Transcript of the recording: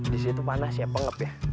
di situ panas ya pengep ya